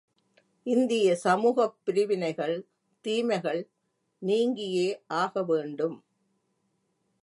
இந்திய சமூகப் பிரிவினைகள், தீமைகள் நீங்கியே யாகவேண்டும்.